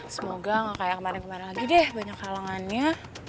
semoga gak kayak kemarin kemarin lagi deh banyak halangannya